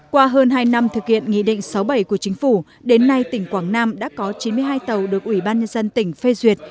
qua hơn hai năm thực hiện nghị định sáu bảy của chính phủ đến nay tỉnh quảng nam đã có chín mươi hai tàu được ủy ban nhân dân tỉnh phê duyệt